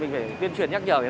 bia rồi à